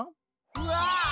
うわ！